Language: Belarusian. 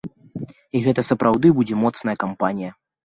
І гэта сапраўды будзе моцная кампанія.